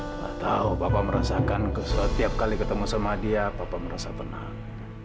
tidak tahu bapak merasakan setiap kali ketemu sama dia papa merasa tenang